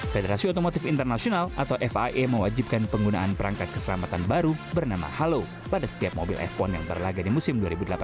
federasi otomotif internasional atau fia mewajibkan penggunaan perangkat keselamatan baru bernama halo pada setiap mobil f satu yang berlaga di musim dua ribu delapan belas